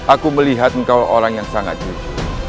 aku melihat engkau orang yang sangat buruk